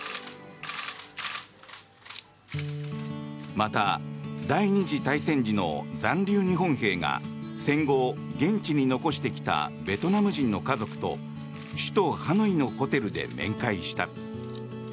また、第２次大戦時の残留日本兵が戦後、現地に残してきたベトナム人の家族と首都ハノイのホテルで面会した。